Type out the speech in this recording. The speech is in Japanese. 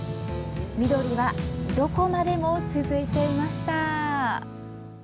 緑は、どこまでも続いていました。